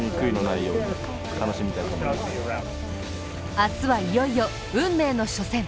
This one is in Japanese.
明日はいよいよ運命の初戦。